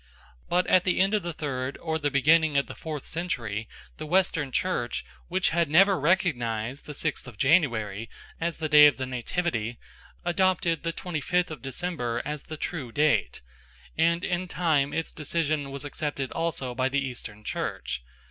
But at the end of the third or the beginning of the fourth century the Western Church, which had never recognised the sixth of January as the day of the Nativity, adopted the twenty fifth of December as the true date, and in time its decision was accepted also by the Eastern Church.